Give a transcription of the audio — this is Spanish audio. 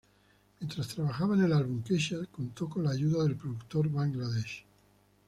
Mientras trabajaba en el álbum Kesha contó con la ayuda del productor Bangladesh.